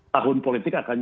tahun politik akan